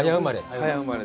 早生まれ？